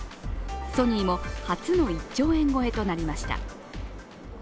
ソニーも初の１兆円超えとなりました。